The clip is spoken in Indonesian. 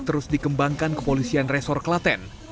terus dikembangkan kepolisian resor klaten